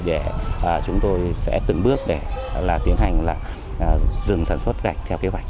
để chúng tôi sẽ từng bước tiến hành dừng sản xuất gạch theo kế hoạch